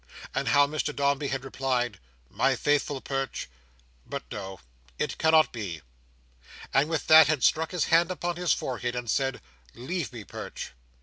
and how Mr Dombey had replied, "My faithful Perch—but no, it cannot be!" and with that had struck his hand upon his forehead, and said, "Leave me, Perch!"